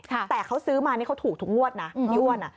แต่เขาซื้อมานี่เขาถูกทุกงวดนะพี่อ้วน